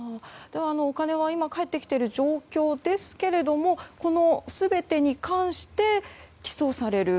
お金は返ってきている状況ですが全てに関して起訴される